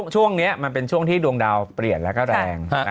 ช่วงนี้มันเป็นช่วงที่ดวงดาวเปลี่ยนแล้วก็แรง